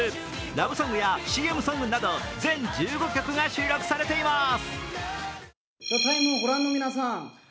ラブソングやＣＭソングなど、全１５曲が収録されています。